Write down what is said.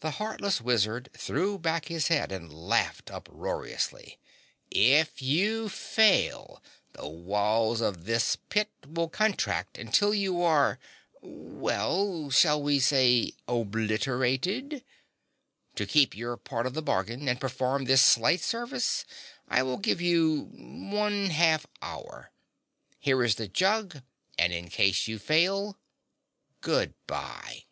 The heartless wizard threw back his head and laughed uproariously. "If you fail, the walls of this pit will contract until you are well, shall we say obliterated? To keep your part of the bargain and perform this slight service I will give you one half hour. Here is the jug, and in case you fail, GOOD BYE!"